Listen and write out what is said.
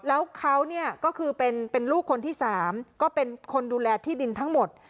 แล้วเขาเนี่ยก็คือเป็นลูกคนที่๓ก็เป็นคนดูแลที่ดินทั้งหมด